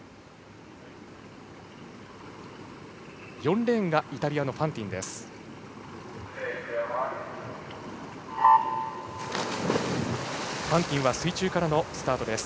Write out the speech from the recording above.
４レーンがイタリアのファンティンです。